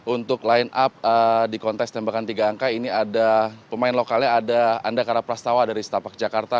untuk line up di kontes tembakan tiga angka ini ada pemain lokalnya ada andakara prastawa dari setapak jakarta